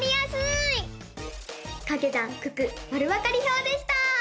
「かけ算九九まるわかり表」でした！